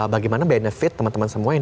bagaimana benefit teman teman semua yang